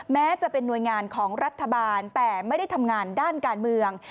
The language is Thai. แม้จะเป็นหน่วยงานของรัฐบาลแต่ไม่ได้ทำงานด้านการเมือง